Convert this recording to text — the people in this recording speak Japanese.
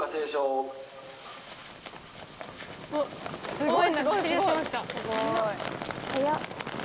すごい。